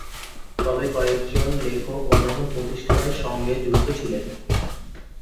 তবে কয়েকজন লেখক অন্যান্য প্রতিষ্ঠানের সঙ্গে যুক্ত ছিলেন।